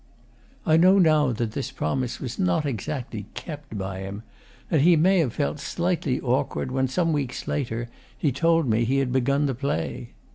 I know now that this promise was not exactly kept by him; and he may have felt slightly awkward when, some weeks later, he told me he had begun the play.